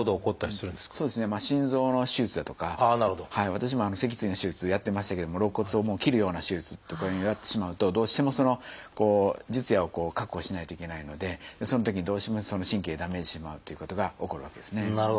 私も脊椎の手術やってましたけれども肋骨を切るような手術とかになってしまうとどうしても術野を確保しないといけないのでそのときにどうしてもその神経をダメージしてしまうっていうことが起こるわけですね。